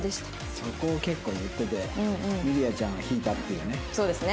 そこを結構言っててみりあちゃんは引いたっていうね。